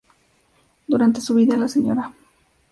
Durante su vida, la Sra.